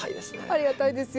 ありがたいですよ。